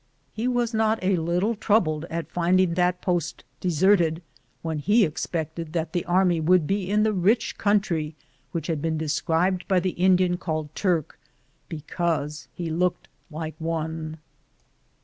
He was not a little troubled at finding that post deserted, when he expected that the army would be in the rich country which had been described by the Indian called Turk, be cause he looked like one.